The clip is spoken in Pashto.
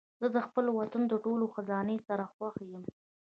زه خپل وطن د ټولو خزانې سره خوښ یم.